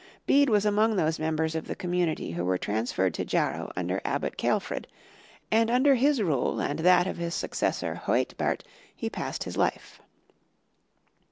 Bede was among those members of the community who were transferred to Jarrow under Abbot Ceolfrid, and under his rule and that of his successor, Huaetbert, he passed his life.